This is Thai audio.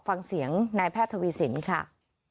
ฟังเสียงนายแพทย์ทวีสินค่ะ